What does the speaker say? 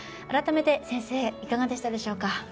改めて先生いかがでしたでしょうか？